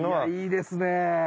いやいいですね。